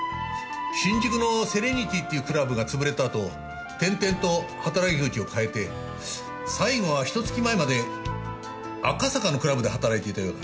新宿のセレニティーっていうクラブが潰れたあと転々と働き口を変えて最後はひと月前まで赤坂のクラブで働いていたようだ。